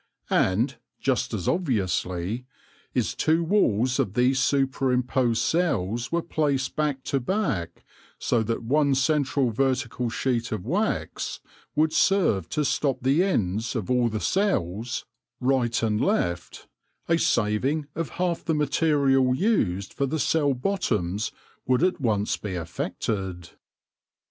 And, just as obviously, is F 142 THE LORE OF THE HONEY BEE two walls of these super imposed cells were placed back to back, so that one central vertical sheet of wax would serve to stop the ends of all the cells, right and left, a saving of half the material used for the cell bottoms would at once be effected.